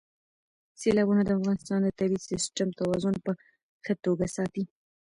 سیلابونه د افغانستان د طبعي سیسټم توازن په ښه توګه ساتي.